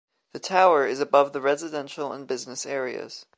The tower is above the residential and business areas.